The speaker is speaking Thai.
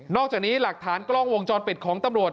อกจากนี้หลักฐานกล้องวงจรปิดของตำรวจ